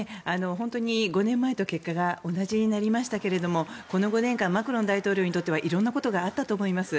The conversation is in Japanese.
本当に５年前と結果が同じになりましたけどこの５年間マクロン大統領にとっては色んなことがあったと思います。